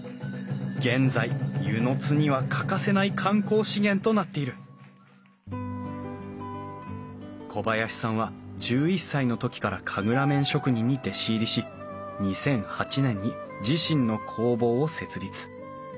現在温泉津には欠かせない観光資源となっている小林さんは１１歳の時から神楽面職人に弟子入りし２００８年に自身の工房を設立。